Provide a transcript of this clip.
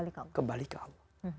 untuk allah kembali ke allah